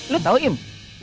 lo tau im